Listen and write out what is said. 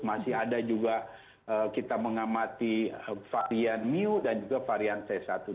masih ada juga kita mengamati varian mu dan juga varian c satu dua